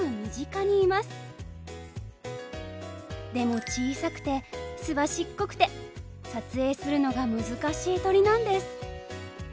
でも小さくてすばしっこくて撮影するのが難しい鳥なんです。